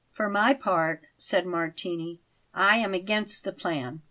"For my part," said Martini, "I am against the plan.